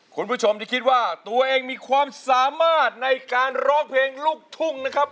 คุณผู้ชมที่คิดว่าตัวเองมีความสามารถในการร้องเพลงลูกทุ่งนะครับ